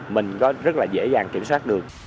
mình có rất là dễ dàng kiểm soát được